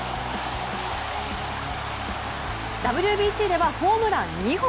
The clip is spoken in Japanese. ＷＢＣではホームラン２本。